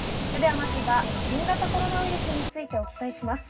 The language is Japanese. まずは新型コロナウイルスについてお伝えします。